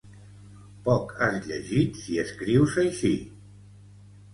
Poc has llegit si escrius així